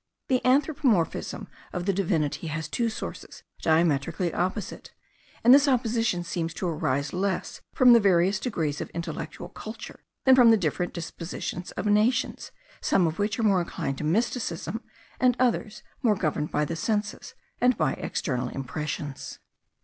The anthropomorphism of the divinity has two sources diametrically opposite; and this opposition seems to arise less from the various degrees of intellectual culture, than from the different dispositions of nations, some of which are more inclined to mysticism, and others more governed by the senses, and by external impressions.